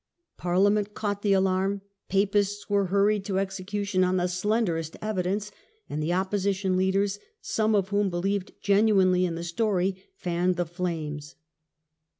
Parliament caught the alarm, Papists were hurried to execution on the slenderest evidence, and the opposition leaders, some of whom believed genuinely in the story, fanned the flames.